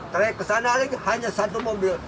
trayek ke sana lagi hanya satu mobil